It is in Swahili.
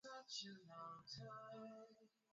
kupata viazi vikubwa hakikisha udongo wako hauna kokoto